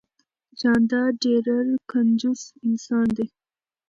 جانداد ډیررر کنجوس انسان ده